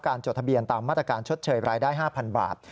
จดทะเบียนตามมาตรการชดเชยรายได้๕๐๐บาท